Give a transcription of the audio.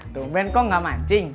tumben kok gak mancing